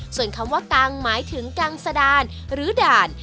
ส่วนคำว่ากางหมายถึงกลางสดานหรือด่าน